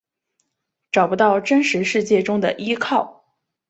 找不到真实世界中的依靠